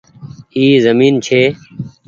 اي زمين ڇي۔